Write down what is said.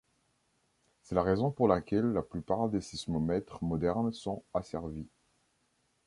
C'est la raison pour laquelle la plupart des sismomètres modernes sont asservis.